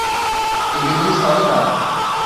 Ele não estava errado